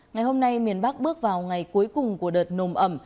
ngày hôm nay miền bắc bước vào ngày cuối cùng của đợt nồm ẩm